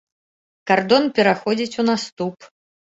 Кардон пераходзіць у наступ.